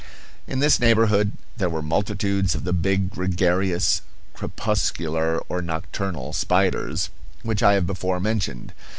In this neighborhood there were multitudes of the big, gregarious, crepuscular or nocturnal spiders which I have before mentioned.